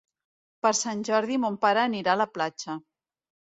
Per Sant Jordi mon pare anirà a la platja.